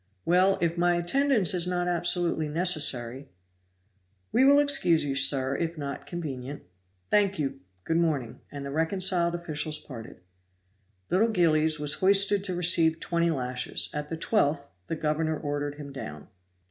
"Well, if my attendance is not absolutely necessary " "We will excuse you, sir, if not convenient." "Thank you good morning!" and the reconciled officials parted. Little Gillies was hoisted to receive twenty lashes; at the twelfth the governor ordered him down.